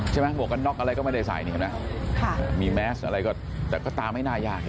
ใช่มั้ยบวกกันน็อคอะไรก็ไม่ได้ใส่มีแมสอะไรก็ตามไม่น่ายาก